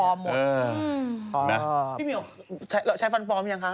พี่เมียลใช้ฟันปลอมรึยังคะ